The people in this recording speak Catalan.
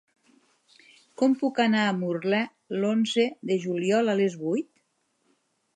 Com puc anar a Murla l'onze de juliol a les vuit?